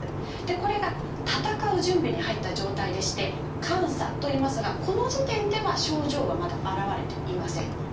これが闘う準備に入った状態でして「感作」といいますがこの時点では症状はまだ現れていません。